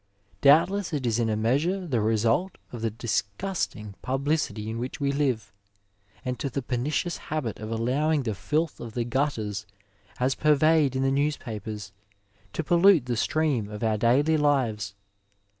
Doubtiess it is in a measure the result of the disgusting publicity in which we live, and to the pernicious habit of allowing the filth of the gutters as purvejred in the newspapers to pollute the stream of our daily lives.